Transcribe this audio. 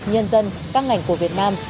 nhân dân các ngành của việt nam